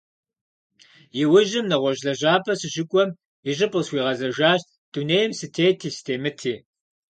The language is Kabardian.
Иужьым, нэгъуэщӀ лэжьапӀэ сыщыкӀуэм, и щӀыб къысхуигъэзэжащ - дунейм сытети сытемыти.